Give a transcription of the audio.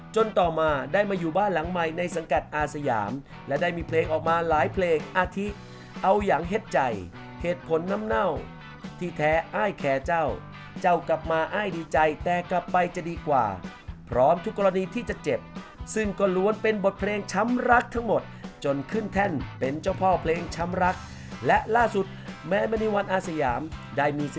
ต่อมาได้มาอยู่บ้านหลังใหม่ในสังกัดอาสยามและได้มีเพลงออกมาหลายเพลงอาทิเอาอย่างเฮ็ดใจเหตุผลน้ำเน่าที่แท้อ้ายแคร์เจ้าเจ้ากลับมาอ้ายดีใจแต่กลับไปจะดีกว่าพร้อมทุกกรณีที่จะเจ็บซึ่งก็ล้วนเป็นบทเพลงช้ำรักทั้งหมดจนขึ้นแท่นเป็นเจ้าพ่อเพลงช้ำรักและล่าสุดแม้มณีวันอาสยามได้มีส